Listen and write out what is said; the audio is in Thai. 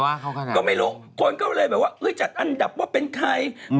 ไอ้อุ๊กระโหกคนก็เลยแบบว่าจัดอันดับว่าเป็นใคร